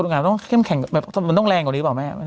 มันต้องแรงกว่านี้เปล่าไหม